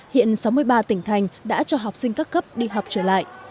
hiện sáu mươi ba tỉnh thành đã cho học sinh các cấp đi học trở lại